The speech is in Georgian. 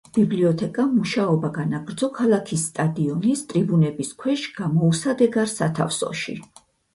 ბიბლიოთეკამ მუშაობა განაგრძო ქალაქის სტადიონის ტრიბუნების ქვეშ გამოუსადეგარ სათავსოში.